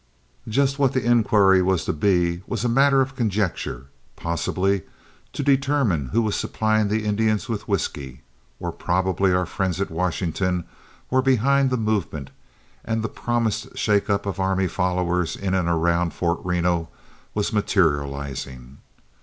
Just what the inquiry was to be was a matter of conjecture; possibly to determine who was supplying the Indians with whiskey, or probably our friends at Washington were behind the movement, and the promised shake up of army followers in and around Fort Reno was materializing.